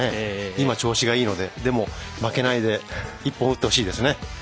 今、調子がいいのででも、負けないで１本、打ってほしいですね。